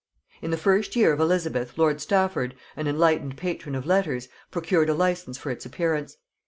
In the first year of Elizabeth lord Stafford, an enlightened patron of letters, procured a licence for its appearance.